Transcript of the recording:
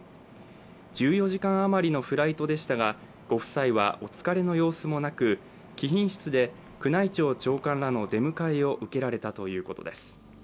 １４時間余りのフライトでしたが、ご夫妻はお疲れの様子もなく、貴賓室で宮内庁長官らの出迎えを受けられたということです。